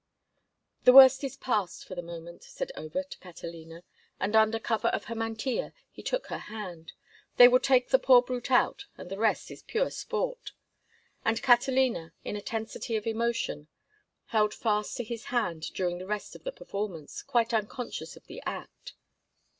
"The worst is past for the moment," said Over to Catalina, and under cover of her mantilla he took her hand. "They will take the poor brute out, and the rest is pure sport." And Catalina, in a tensity of emotion, held fast to his hand during the rest of the performance, quite unconscious of the act.